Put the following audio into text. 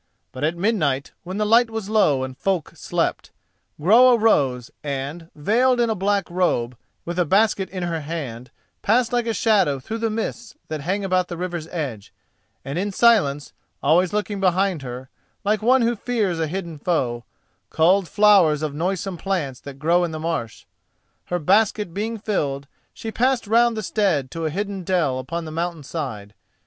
But at midnight, when the light was low and folk slept, Groa rose, and, veiled in a black robe, with a basket in her hand, passed like a shadow through the hall out upon the meads. Thence she glided into the mists that hang about the river's edge, and in silence, always looking behind her, like one who fears a hidden foe, culled flowers of noisome plants that grow in the marsh. Her basket being filled, she passed round the stead to a hidden dell upon the mountain side.